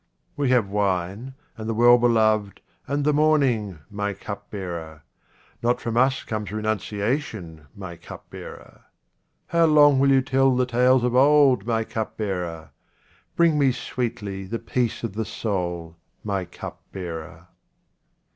We have wine, and the well beloved, and the morning, my cupbearer. Not from us comes renunciation, my cupbearer. How long will you tell the tales of old, my cupbearer ? Bring me sweetly the peace of the soul, my cupbearer.